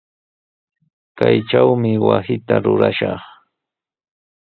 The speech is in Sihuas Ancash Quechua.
Kaytrawmi wasita rurashaq.